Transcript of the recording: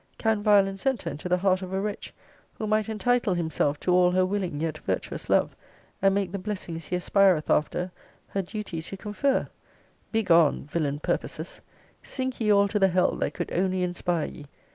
Can violence enter into the heart of a wretch, who might entitle himself to all her willing yet virtuous love, and make the blessings he aspireth after, her duty to confer? Begone, villain purposes! Sink ye all to the hell that could only inspire ye!